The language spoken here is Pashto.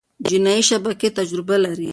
جنایي شبکې تجربه لري.